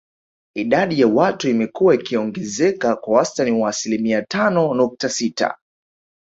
Idadi ya watu imekua ikiongezeka kwa wastani wa asilimia tano nukta sita